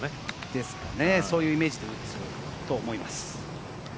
ですかね、そういうイメージで打つと思います。